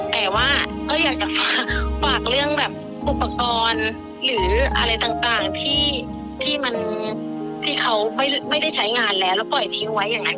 แต่ว่าก็อยากจะฝากเรื่องแบบอุปกรณ์หรืออะไรต่างที่มันที่เขาไม่ได้ใช้งานแล้วแล้วปล่อยทิ้งไว้อย่างนั้น